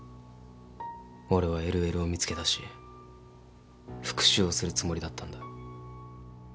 俺はＬＬを見つけだし復讐をするつもりだったんだ。